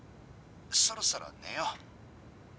そろそろ寝よう。